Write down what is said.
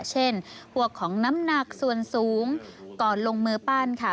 เช่นพวกของน้ำหนักส่วนสูงก่อนลงมือปั้นค่ะ